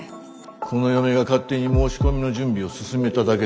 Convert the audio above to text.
この嫁が勝手に申し込みの準備を進めただけです。